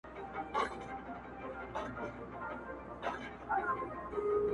اې په خوب ویده ماشومه!؟،